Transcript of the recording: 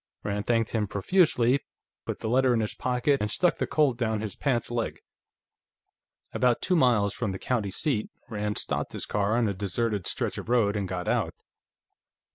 Rand thanked him profusely, put the letter in his pocket, and stuck the Colt down his pants leg. About two miles from the county seat Rand stopped his car on a deserted stretch of road and got out.